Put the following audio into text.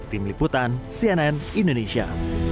tim liputan cnn indonesia